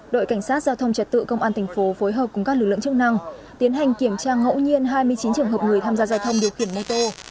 đội cảnh sát giao thông trật tự công an thành phố phối hợp cùng các lực lượng chức năng tiến hành kiểm tra ngẫu nhiên hai mươi chín trường hợp người tham gia giao thông điều khiển mô tô